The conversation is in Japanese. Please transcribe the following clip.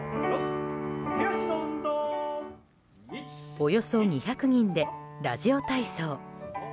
およそ２００人でラジオ体操。